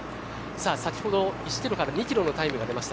先ほど１キロから２キロのタイムが出ました。